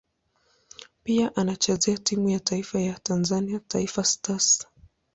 Pia anachezea timu ya taifa ya Tanzania Taifa Stars.